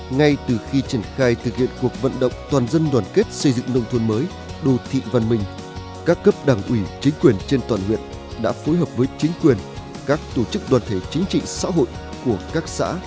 ngay từ khi triển khai thực hiện cuộc vận động toàn dân đoàn kết xây dựng nông thôn mới đô thị văn minh các cấp đảng ủy chính quyền trên toàn huyện đã phối hợp với chính quyền các tổ chức đoàn thể chính trị xã hội của các xã